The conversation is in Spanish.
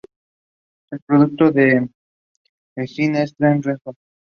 El productor del single es Trent Reznor.